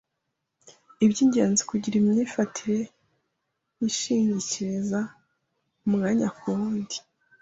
iby'ingenzi kugira imyifatire yishingikiriza umwanya ku wundi